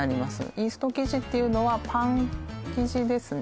イースト生地っていうのはパン生地ですね